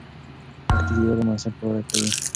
تحقیق د علم بنسټ پیاوړی کوي.